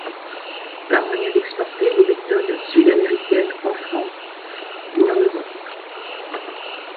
Pas moyen d’exporter les méthodes sud-américaines en France ni en Europe.